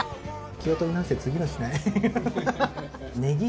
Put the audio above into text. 気を取り直して次の品へ。